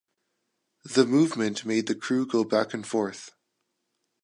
The movement made the crew go back and forth.